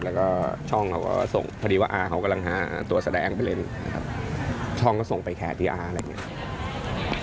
แล้วก็ช่องเขาก็ส่งพอดีว่าอาเขากำลังหาตัวแสดงไปเล่นช่องก็ส่งไปแค้นที่อาอะไรอย่างนี้